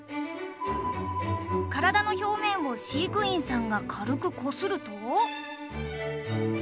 体の表面を飼育員さんが軽くこすると。